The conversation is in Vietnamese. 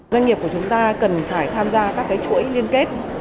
doanh nghiệp của chúng ta cần phải tham gia các chuỗi liên kết